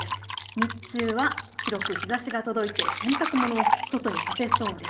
日中は広く日ざしが届いて洗濯物も外に干せそうです。